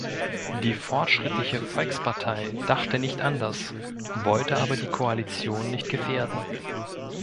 Die Fortschrittliche Volkspartei dachte nicht anders, wollte aber die Koalition nicht gefährden.